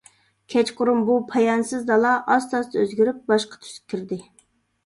كەچقۇرۇن بۇ پايانسىز دالا ئاستا-ئاستا ئۆزگىرىپ باشقا تۈسكە كىردى.